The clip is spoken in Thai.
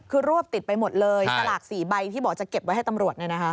คือรวบติดไปหมดเลยสลาก๔ใบที่จะเก็บไว้ให้ตำรวจเนี่ยนะฮะ